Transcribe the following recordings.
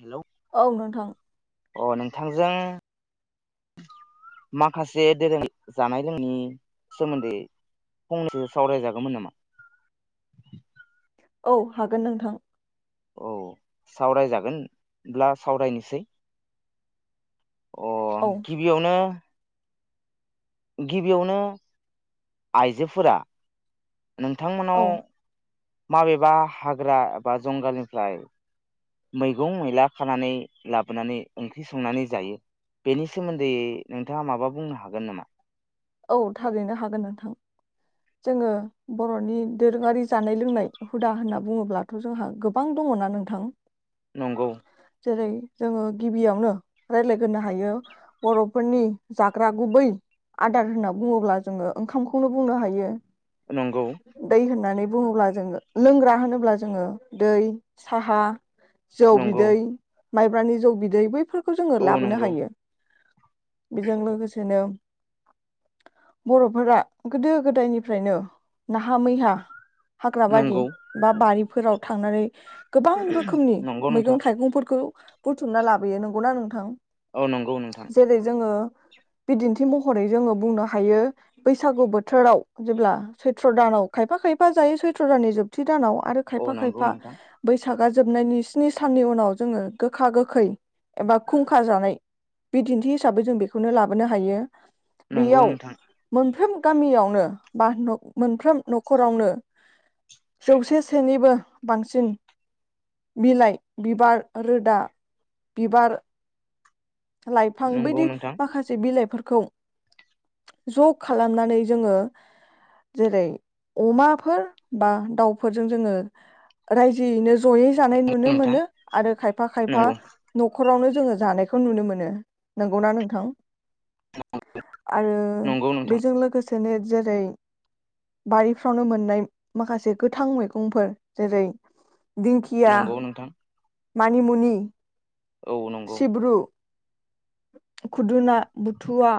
हेल' औ नोंथां। अ नोंथांजों माखासे दोरों जानाय लोंनायनि सोमोन्दै फंनैसो सावरायजागौमोन नामा? औ हागोन नोंथां। औ सावरायजागोनब्ला सावरायनोसै। अ औ गिबियावनो गिबियावनो आइजोफोरा औ नोंथांमोनाव माबेबा हाग्रा एबा जंगालनिफ्राय मैगं मैला खानानै लाबोनानै ओंख्रि संनानै जायो। बेनि सोमोन्दै नोंथाङा माबा बुंनो हागोन नामा? औ थागैनो हागोन नोंथां। जोङो बर'नि दोरोङारि जानाय लोंनाय हुदा होनना बुङोब्लाथ' जोंहा गोबां दङना नोंथां। नंगौ। जेरै जोङो गिबियावनो रायज्लायग्रो हायो बर'फोरनि जाग्रा गुबै आदार होनना बुङोब्ला जोङो ओंखामखौनो बुंनो हायो। नंगौ दै होन्नानै बुङोब्ला जोङो लोंग्रा होनोब्ला जोङो दै साहा। जौ नंगौ बिदै। माइब्रानि जौ बिदै बैफोर जोङो औ लाबोनो नंगौ हायो। बेजों लोगोसेनो बर'फोरा गोदो गोदायनिफ्रायनो नाहा मैहा हाग्राबारि नंगौ बा बारि फोराव थांनानै। गोबां रोखोमनि नंगौ नोंथां मैगं थाइगंफोरखौ बुथुमना लाबोयो नंगौना नोंथां? औ नंगौ नोंथां जेरै जोङो बिदिन्थि मह रै जोङो बुंनो हायो बैसागु बोथोराव जेब्ला सैथ्र' दानाव खायफा खायफा जायो सैथ्र' दाननि जोबथि दानाव आरो औ खायफा नंगौ खायफा नोंथां बैसागा जोबनायनि स्नि साननि उनाव जोङो गोखा गोखै एबा खुंखा जानाय बिदिन्थि हिसाबै जों बेखौनो लाबोनो हायो नंगौ बेयाव नोंथां मोनफ्रोम गामियावनो बा न'-मोनफ्राम न'खरावनो जौसे सेनिबो बांसिन बिलाइ बिबार रोदा बिबार लाइफां नंगौ बिदि नोंथां माखासे बिलाइ खौ ज खालामनानै जोङो जेरै अमाफोर बा दाउफोरजों जोङो रायजोयैनो ज जयै जानाय नुनो नोंथां मोनो आरो खायफा खायफा नंगौ न'खर न'खरावनो जोङो जानायखौ नुनो मोनो नंगौना नोंथां आरो नंगौ नोंथां बेजों लोगोसेनो जेरै बारिफ्रावनो मोननाय माखासे गोथां मैगंफोर जेरै दिंकिया नंगौ नोंथां मानिमुनि औ नंगौ सिब्रु खुदुना थुवा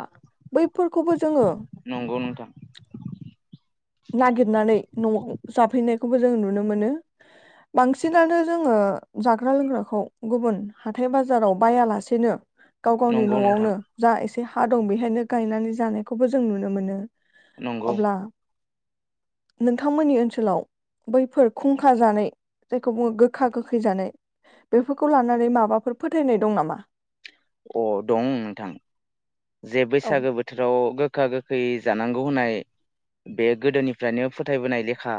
बैफोरखौबो जोङो नंगौ नोंथां नागिरनानै न'आव जाफैनायखौबो जों नुनो मोनो बांसिनानो जोङो जाग्रा लोंग्राखौ गुबुन हाथाय बाजाराव बायालासेनो गाव गावनि नंगौ नोंथां न'आवनो जा ए एसे हा दं बेहायनो गायनानै जानायखौबो जों नुनो मोनो नंगौ अब्ला नोंथांमोननि ओनसोलाव बैफोर खुंखा जानाय जायखौ बुङो गोखा गोखै जानाय बेफोरखौ लानानै माबाफोर फोथायनाय दं नामा अ दं नोंथां जे औ बैसागो बोथोराव गोखा-गो खै जानांगौ होननाय बे गोदोनिफ्रायनो फोथायबोनाय लेखा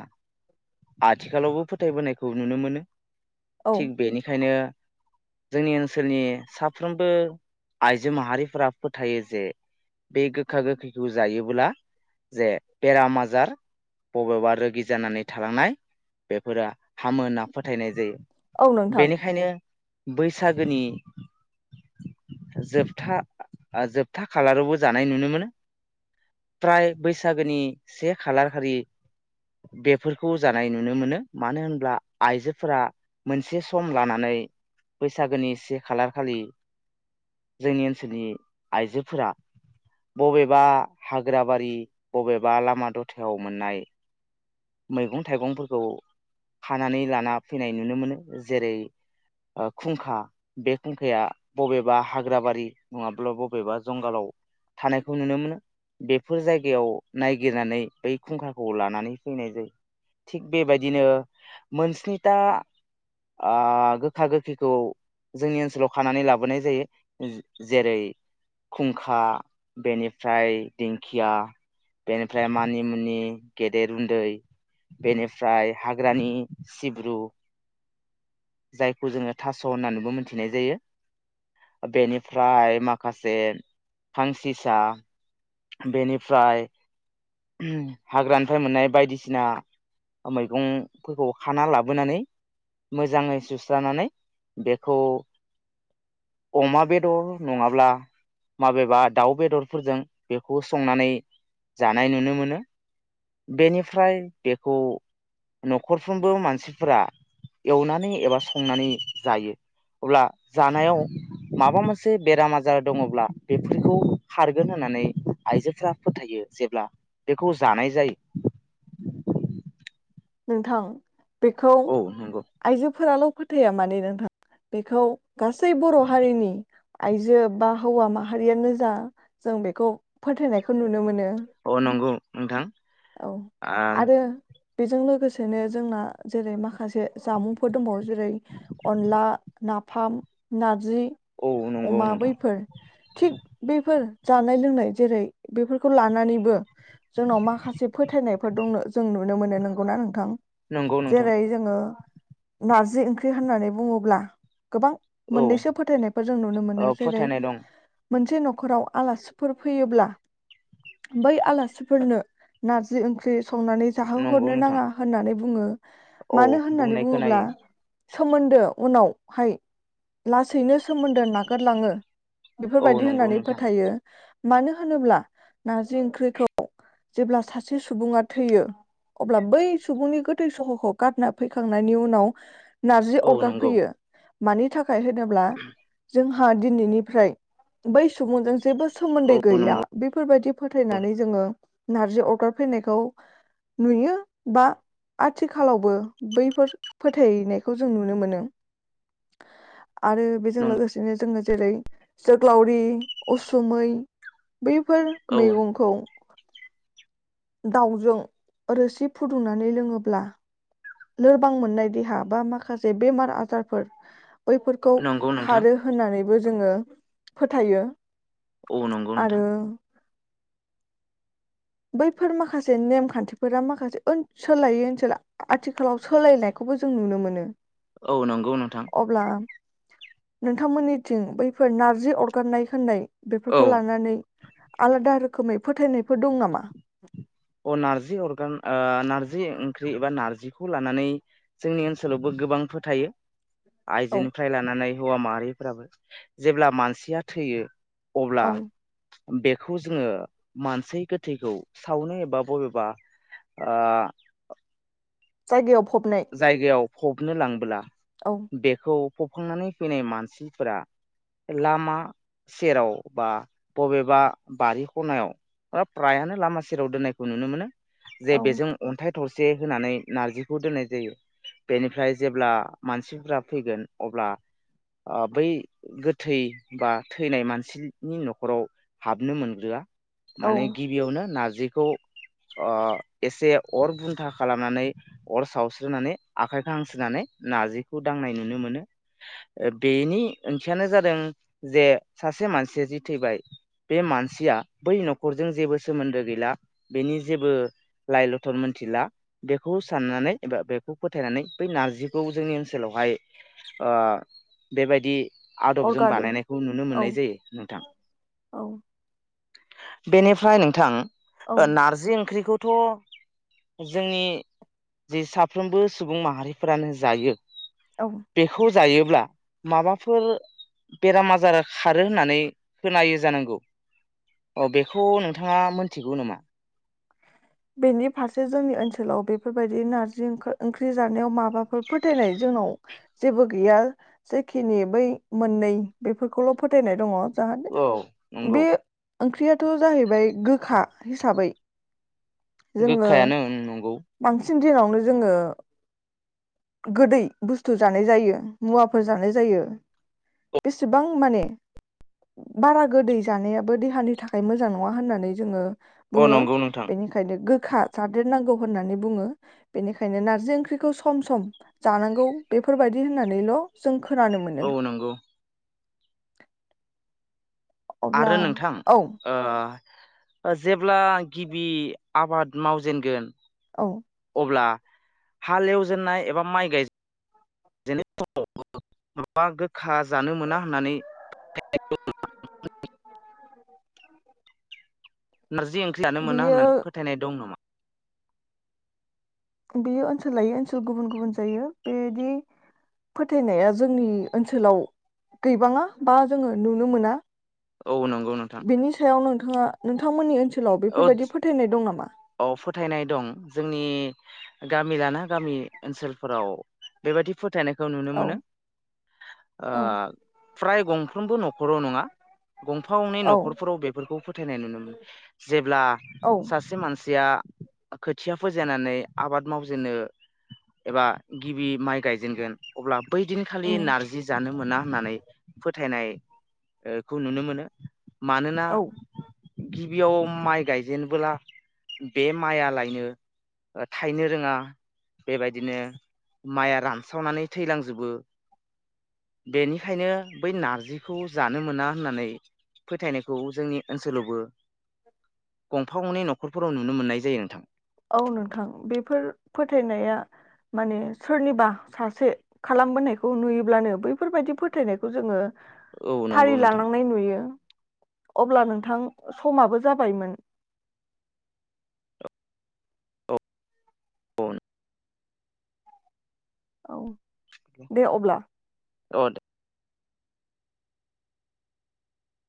आथिखालावबो फोथायबोनायखौ नुनो मोनो औ थिग बेनिखायनो जोंनि ओनसोलनि साफ्रोम बो आइजो माहारिफोरा फोथायो जे बे गोखा-गोखैखौ जायोब्ला जे बेराम आजार बबेबा रोगि जानानै थालांनाय बेफोरो हामो होनना फोथायनाय जायो औ नोंथां बेनिखायनो बैसागोनि जोबथा जोबथा खालारावबो जानाय नुनो मोनो फ्राय बैसागोनि से खालार खालि बेफोरखौ जानाय नुनो मोनो मानो होनब्ला आइजोफोरा मोनसे सम लानानै बैसागोनि से खालार खालि जोंनि ओनसोलनि आइजोफोरा बबेबा हाग्राबारि बबेबा लामा द'थायाव मोननाय मैगं-थाइगंफोरखौ खानानै लाना फैनाय नुनो मोनो जेरै ओ खुंखा बे खुंखाया बबेबा हाग्राबारि नङाब्ला बबेबा जंगालाव थानायखौ नुनो मोनो बेफोर जायगायाव नायगिरनानै बै खुंखाखौ लानानै फैनाय जायो थिग बेबायदिनो मोनस्निथा ओ गोखा-गोखैखौ जोंनि ओनसोलाव खानानै लाबो बोनाय जायो जेरै खुंखा बेनिफ्राय दिंखिया बेनिफ्राय मानिमुनि गेदेर उन्दै बेनिफ्राय हाग्रानि सिब्रु जायखौ जोङो थास' होननानैबो मोनथिनाय जायो बेनिफ्राय माखासे फांसिसा बेनिफ्राय हाग्रानिफ्राय मोननाय बायदिसिना मैगंफोरखौ खाना लाबोनानै मोज मोजाङै सुस्रानानै बेखौ अमा बेदर नङाब्ला माबेबा दाउ बेदरफोरजों बेखौ संनानै जानाय नुनो मोनो बेनिफ्राय बेखौ न'खरफ्रोमबो मानसिफोरा एवनानै एबा संनानै जायो अब्ला जानायाव माबा मोनसे बेराम आजार दङ'ब्ला बेफोरखौ खारगोन होननानै आइजोफोरा फोथायो जेब्ला बेखौ जानाय जायो। नोंथां बेखौ औ नंगौ आइजोफोराल' फोथाया माने नोंथां बेखौ गासै बर' हारिनि आइजो बा हौवा माहारियानो जा जों बेखौ फोथायनायखौ नुनो मोनो। अ नंगौ नोंथां औ आ आरो बेजों लोगोसेनो जोंना जेरै माखासे जामुंफोर दंबावो जेरै अनला, नाफाम, नारजि ओ औ नंगौ अमा नोंथां बैफोर थिग बैफोर जानाय लोंनाय जेरै बेफोरखौ लानानैबो जोंनाव माखासे फोथायनायफोर दंनो जों नुनो मोनो नों गौ ना नोंथां। नंगौ नोंथां जेरै जोङो नारजि ओंख्रि होननानै बुङोब्ला - गोबां औ मोननैसो फोथायनायफोर जों नुनो मोनो ओ जेरै फोथायनाय दं मोनसे न'खराव आलासिफोर फैयोब्ला बै आलासिफोरनो नारजि ओंख्रि संनानै जाहो हरनो नंगौ नोंथां नाङा होननानै बुङो। औ मानो होननानै बुंनाय बुङोब्ला खोनायो सोमोन्दो उनाव हाय लासैनो सोमोन्दो नागारलाङो। औ बेफोरबादि नंगौ होननानै नोंथां फोथायो। मानो होनोब्ला नारजि ओंख्रैखौ जेब्ला सासे सुबुङा थैयो अब्ला बै सुबुंनि गोथै सह'खौ गारना फैखांनायनि उनाव नारजि औ अरगार नंगौ फैयो। मानि था खाय होनोब्ला जों हा दिनैनिफ्राय बै सुबुंजों जेबो औ सोमोन्दै गैला नंगौ बेफोरबादि फोथायनानै जोङो नारजि अरगार फैनायखौ नुयो बा आथिखालावबो बैफोर फोथायनायखौ जों नुनो मोनो। आरो बेजों नंगौ लोगोसेनो जोङो जेरै जोग्लावरि उसुमै बैफोर औ मैगंखौ दाउजों रोसि फुदुंनानै लोङोब्ला लोरबां मोननाय देहा बा माखासे बेमार आजारफोर बैफोरखौ नंगौ नोंथां खारो होननानै बो जोङो फोथायो। औ नंगौ नोंथां आरो बैफोर माखासे नेमखान्थिफोरा माखासे ओनसोल लायै ओनसोल आथिखालाव सोलायनायखौबो जों नुनो मोनो। औ नंगौ नोंथां। अब्ला नोंथांमोननिथिं बैफोर नारजि अरगारनाय होननाय बेफोरखौ औ लानानै आलादा रोख खोमै फोथायनायफोर दं नामा? अ नारजि अरगान ओ नारजि ओंख्रि एबा नारजिखौ लानानै जोंनि ओनसोलावबो गोबां फोथायो। औ आइजोनिफ्राय लानानै हौवा माहारिफ्राबो जेब्ला मानसिया थैयो। अब्ला औ बेखौ जोङो मानसि गोथैखौ सावनो एब बा बबेबा ओह जायगायाव फबनाय जायगायाव फबनो लांबोला औ बेखौ फबखांनानै फैनाय मानसिफोरा लामा सेराव बा बबेबा बारि खनायाव ओब फ्रायानो लामा सेराव दोननायखौ नुनो मोनो। जे औ बेजों अन्थाइ थरसे होनानै नारजिखौ दोननाय जायो बेनिफ्राय जेब्ला मानसिफोरा फैगोन अब्ला ओ बै गोथै बा थैनाय मानसिनि न'खराव हाबनो मोनग्रोआ औ माने गिबियावनो नाज जिखौ ओ एसे अर बुन्था खालामनानै अर सावस जुनानै आखाइखौ हांस्रोननानै नारजिखौ दांनाय नुनो मोनो ओ बेनि ओंथियानो जादों जे सासे मानसिया जि थैबाय बे मानसिया बै न'खरजों जेबो सोमोन्दो गैला बेनि जेबो लाइ लथर मोनथिला बेखौ साननानै एबा बेखौ फोथायनानै बै नारजिखौ जोंनि ओनसोलावहाय ओ बेबायदि आदबजों अरगारो बानायनायखौ नुनो औ मोननाय जायो नोंथां। औ बेनिफ्राय नोंथां औ ओ नारजि ओंख्रिखौ। थ' जोंनि। जि साफ्रोमबो सुबुं माहारिफोरानो जायो। औ बेखौ। जायोब्ला माबाफोर। बेराम आजार खारो होननानै खोनायो जानांगौ अ बेखौ नोंथाङा मोनथिगौ नामा? बेनि फारसे जोंनि ओनसोलाव बेफोरबायदि नार्जि ओंखो ओंख्रि जानायाव माबाफोर फोथायनाय जोंनाव जेबो गैया जेखिनि बै मोननै बेफोरखौल' फोथायनाय दङ। ओह औ नंगौ। बे ओंख्रियाथ' जाहैबाय गोखा हिसाबै। गोखायानो ओ नंगौ। सिन दिनावनो जोङो। गोदै बुस्थु जानाय जायो मुवाफोर जानाय जायो बेसेबां माने बारा गोदै जानायाबो देहानि थाखाय मोजां नङा होननानै जोङो। अ बुङो नंगौ नोंथां। बेनिखायनो गो। खा जादेरनांगौ होननानै बुङो बेनिखायनो नारजि ओंख्रिखौ सम सम। जानांगौ बेफोरबायदि होननानैल' जों खो। खोनानो मोनो। औ नंगौ अब्ला आरो नोंथां औ ओ। जेब्ला गिबि आबाद मावजेनगोन। औ। [unintelligible] हालेवजेननाय एबा माइ गायजेन। [unintelligible] माबा गोखा जानो मोना होननानै [unintelligible] नारजि ओंख्रि जानो मोना बियो होननानै फोथायनाय दं नामा? बेयो ओनसोल लायो ओनसोल गुबुन गुबुन जायो बेदि फोथायनाया जोंनि ओनसोलाव गैबाङा बा जोङो नुनो मोना। औ नंगौ नोंथां। थाङा नोंथांमोननि ओनसो सोलाव औ बेफोरबायदि फोथायनाय दं नामा? औ फोथायनाय दं जोंनि गामि लाना गामि ओनसोलफोराव बेबायादि फोथायनाय। खौ नुनो औ मोनो ओ। औ फ्राय गंफ्रोमबो न'खराव नङा। गंफा गंनै औ न'खरफोराव बेफोरखौ फोथायनाय नुनो मोनो जेब्ला औ सासे मानसि। दा खोथिया फोजायनानै आबाद मावजेननो एबा गिबि माइ गायजेनगोन अब्ला। बैदिनखालि उम नारजि जानो मोना होननानै फोथायनाय। ओ खौ नुनो मोनो। मानोना औ गि गिबियाव माइ गायजेनबोला बे माइआ लायनो थायनो रोङा बेबायदिनो माइआ रानस्रावनानै थैलांजोबो बेनिखायनो बै नारजिखौ जानो मोना होननानै फोथायनायखौ जोंनि ओनसोलावबो गंफा गंनै न'खर फोराव नुनो मोननाय जायो नोंथां औ नोंथां बेफोर फोथायनाया माने सोरनिबा सासे खालामबोनायखौ नुयोब्लानो बैफोरबायदि फोथायनायखौ जोङो औ नंगौ फालि नोंथां लानांनाय नुयो अब्ला नोंथां समाबो जाबायमोन? उन औ दे अब्ला औ दे